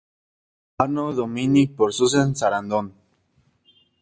Anno Domini por Susan Sarandon.